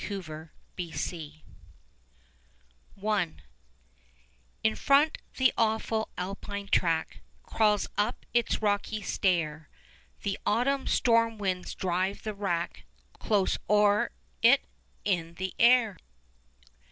OBERMANN I In front the awful Alpine track Crawls up its rocky stair; The autumn storm winds drive the rack Close o'er it, in the air.